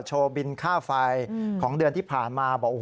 โชว์บินค่าไฟของเดือนที่ผ่านมา